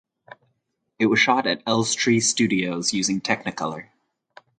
It was shot at Elstree Studios using Technicolor.